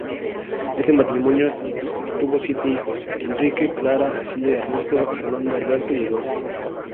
Este matrimonio tuvo siete hijos: Enrique, Clara, Cecilia, Ernesto, Fernando, Alberto y Eduardo.